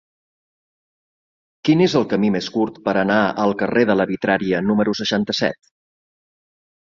Quin és el camí més curt per anar al carrer de la Vitrària número seixanta-set?